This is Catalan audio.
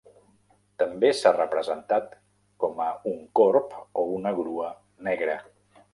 També s'ha representat com a un corb o una grua negra.